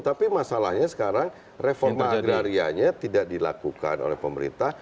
tapi masalahnya sekarang reforma agrarianya tidak dilakukan oleh pemerintah